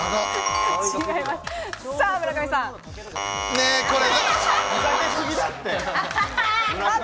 ねえ、これ。